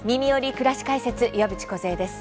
くらし解説」岩渕梢です。